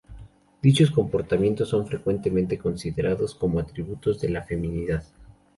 Dichos comportamientos son frecuentemente considerados como atributos de la feminidad.